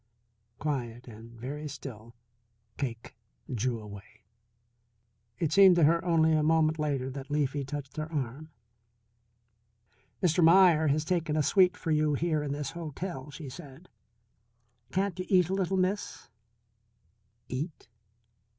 Quiet and very still, Cake drew away. It seemed to her only a moment later that Leafy touched her arm. "Mr. Meier has taken a suite for you here in this hotel," she said. "Can't you eat a little, Miss?" Eat?